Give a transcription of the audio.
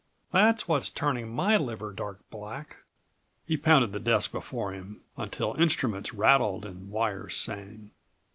That's what's turning my liver dark black!" He pounded the desk before him until instruments rattled and wires sang.